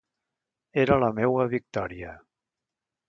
Era la meua victòria.